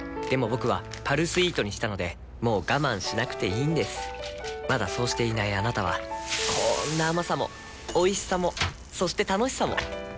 僕は「パルスイート」にしたのでもう我慢しなくていいんですまだそうしていないあなたはこんな甘さもおいしさもそして楽しさもあちっ。